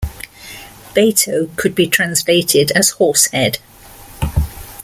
Bato could be translated as "horsehead".